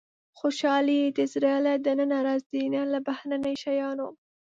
• خوشالي د زړه له دننه راځي، نه له بهرني شیانو.